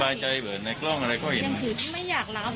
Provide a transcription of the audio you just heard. อยากจะให้ดำเนินคดีให้ถึงที่สุดค่ะ